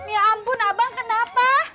ya ampun abang kenapa